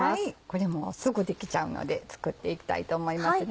これもすぐできちゃうので作っていきたいと思いますね。